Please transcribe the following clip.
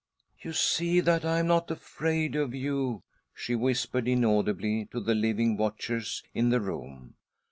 " You see that I am not afraid of you," she whis pered, inaudibly to the living watchers in the room.